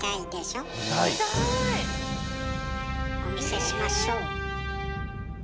お見せしましょう。